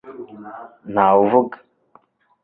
Ntawe uvuga